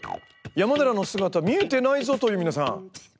山寺の姿見えてないぞ！という皆さんご安心ください。